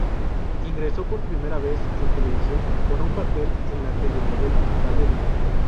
Ingresó por primera vez en televisión, con un papel en la telenovela "Valeria".